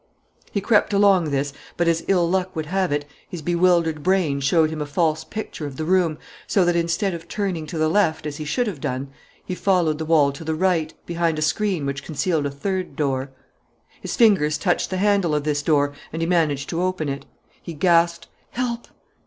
He crept along this; but, as ill luck would have it, his bewildered brain showed him a false picture of the room, so that, instead of turning to the left as he should have done, he followed the wall to the right, behind a screen which concealed a third door. His fingers touched the handle of this door and he managed to open it. He gasped, "Help!